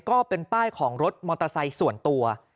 ก็เป็นป้ายของรถมอเตอร์ไซค์ส่วนตัว